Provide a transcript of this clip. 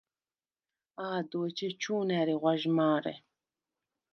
ა̄დუ, ეჩეჩუ̄ნ ა̈რი ღვაჟმა̄რე.